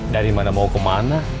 dari mana mau kemana